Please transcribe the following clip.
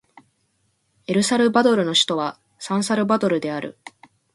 エルサルバドルの首都はサンサルバドルである